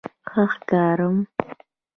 _ښه ښکارم؟